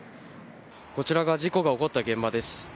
こちらが事故が起こった現場です。